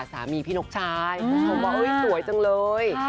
สามีพี่นกชายทุกคนบอกเอ๊ยสวยจังเลย